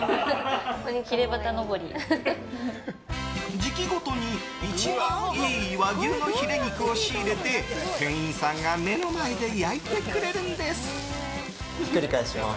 時期ごとに一番いい和牛のヒレ肉を仕入れて店員さんが目の前で焼いてくれるんです。